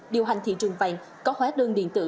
điều hành thị trường vàng có hóa đơn điện tử